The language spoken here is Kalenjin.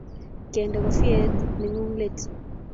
Kendene kofiet nengung leet